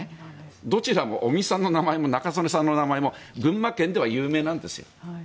どちらも尾身さんの名前も中曽根さんの名前も群馬県では有名なんですよ。